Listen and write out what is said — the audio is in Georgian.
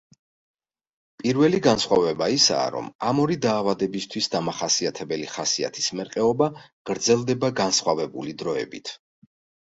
პირველი განსხვავება, ისაა, რომ ამ ორი დაავადებისთვის დამახასიათებელი ხასიათის მერყეობა გრძელდება განსხვავებული დროებით.